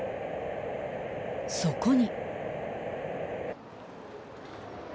［そこに］